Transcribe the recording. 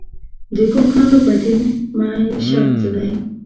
د کوکنارو بدیل معیشت څه دی؟